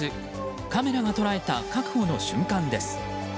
カメラが捉えた確保の瞬間です。